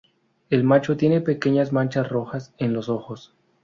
El macho tiene pequeñas manchas rojas en los ojos.